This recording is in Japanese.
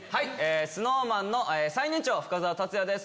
ＳｎｏｗＭａｎの最年長深澤辰哉です